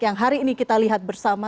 yang hari ini kita lihat bersama